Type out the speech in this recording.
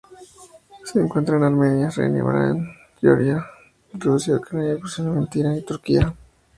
Se encuentra en Armenia, Azerbaiyán, Georgia, Rusia, Ucrania y posiblemente Irán, y Turquía.